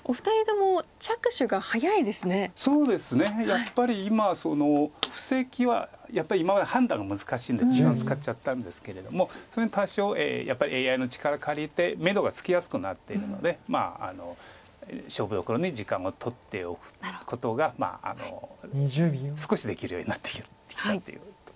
やっぱり今布石はやっぱり今まで判断が難しいんで時間を使っちゃったんですけれどもその辺多少やっぱりＡＩの力借りてめどがつきやすくなってるので勝負どころに時間を取っておくことが少しできるようになってきたというとこです。